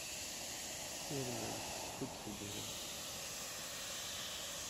Ssirmemt, skud teddremt!